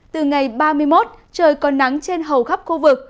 từ ngày ba mươi một trời còn nắng trên hầu khắp khu vực